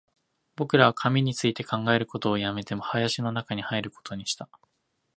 僕らは紙について考えることを止めて、林の中に入ることにした